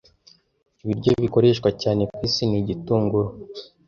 ibiryo bikoreshwa cyane ku isi ni Igitunguru